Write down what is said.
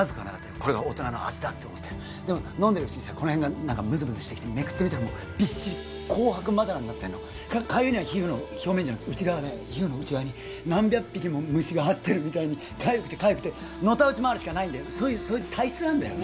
これが大人の味だって思ってでも飲んでるうちにこの辺がムズムズしてきてめくってみたらビッシリ紅白まだらになってんのかゆいのは皮膚の表面じゃなくて内側で皮膚の内側に何百匹も虫がはってるみたいにかゆくてのたうちまわるしかないそういう体質なんだよね